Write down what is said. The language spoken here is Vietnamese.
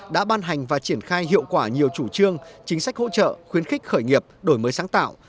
đã ban hành và triển khai hiệu quả nhiều chủ trương chính sách hỗ trợ khuyến khích khởi nghiệp đổi mới sáng tạo